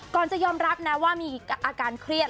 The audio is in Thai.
จะยอมรับนะว่ามีอาการเครียด